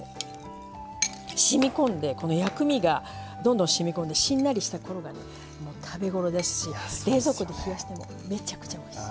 しみ込んでこの薬味がどんどんしみ込んでしんなりした頃がね食べ頃ですし冷蔵庫で冷やしてもめちゃくちゃおいしい。